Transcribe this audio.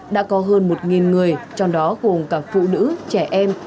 đã có hơn một người trong đó gồm cả phụ nữ trẻ em